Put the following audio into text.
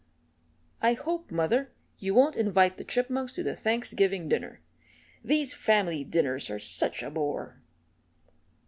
I hope, mother, you won't invite the Chipmunks to the Thanksgiving dinner these family dinners are such a bore."